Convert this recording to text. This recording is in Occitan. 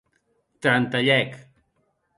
Trantalhèc.